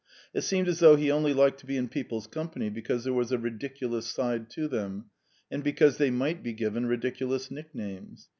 It seemed as though he only liked to be in people's company because there was a ridiculous side to them, and because they might be given ridiculous nicknames.